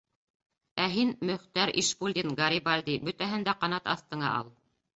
- Ә һин, Мөхтәр Ишбулдин-Гарибальди, бөтәһен дә ҡанат аҫтыңа ал.